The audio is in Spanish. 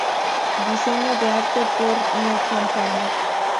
Diseño de arte por Me Company.